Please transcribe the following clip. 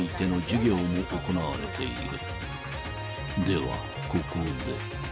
ではここで］